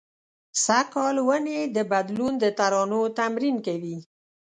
سږ کال ونې د بدلون د ترانو تمرین کوي